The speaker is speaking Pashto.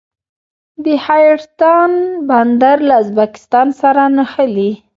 د حیرتان بندر له ازبکستان سره نښلي